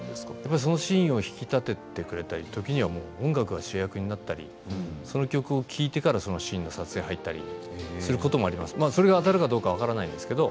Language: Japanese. そのシーンを引き立ててくれて時には音楽が主役になったりその曲を聴いてからそのシーンの撮影に入ったりすることもあります。